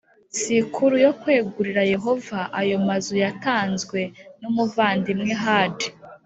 sikuru yo kwegurira Yehova ayo mazu yatanzwe n umuvandimwe Herd